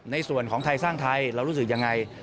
ในส่วนของไทยสร้างไทยเรารู้สึกยังไง